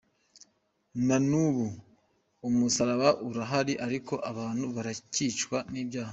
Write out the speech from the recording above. Na n’ubu umusalaba urahari, ariko abantu baracyicwa n’ibyaha.